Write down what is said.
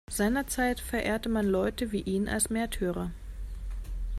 Seinerzeit verehrte man Leute wie ihn als Märtyrer.